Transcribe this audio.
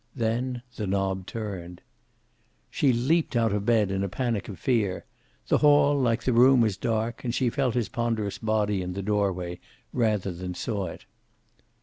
Then the knob turned. She leaped out of the bed in a panic of fear. The hall, like the room, was dark, and she felt his ponderous body in the doorway, rather than saw it.